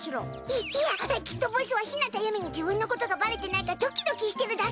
いいやきっとボスは日向ゆめに自分のことがバレてないかドキドキしてるだけにゅい！